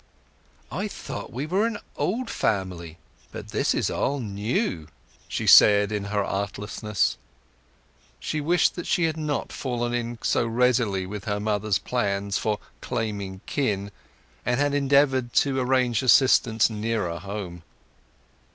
"I thought we were an old family; but this is all new!" she said, in her artlessness. She wished that she had not fallen in so readily with her mother's plans for "claiming kin," and had endeavoured to gain assistance nearer home.